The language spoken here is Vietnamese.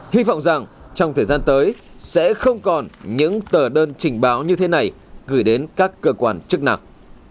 hy vọng rằng trong thời gian tới sẽ không còn những tờ đơn trình báo như thế này gửi đến các cơ quan chức năng